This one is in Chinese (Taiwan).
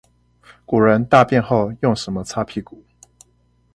古人大便後用什麼擦屁股？